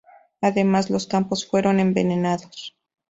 Además, los campos fueron envenenados.